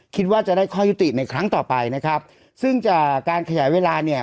คิดว่าจะได้ข้อยุติในครั้งต่อไปนะครับซึ่งจากการขยายเวลาเนี่ย